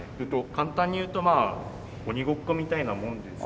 簡単に言うとまあ鬼ごっこみたいなものですかね。